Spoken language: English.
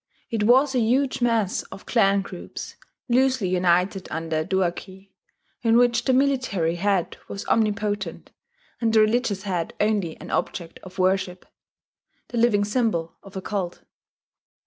It was a huge mass of clan groups, loosely united under a duarchy, in which the military head was omnipotent, and the religious head only an object of worship, the living symbol of a cult.